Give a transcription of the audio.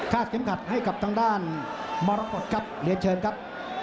เข็มขัดให้กับทางด้านมรกฏครับเรียนเชิญครับ